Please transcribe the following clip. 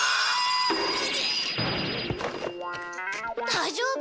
大丈夫？